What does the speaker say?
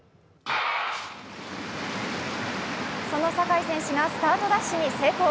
その坂井選手がスタートダッシュに成功。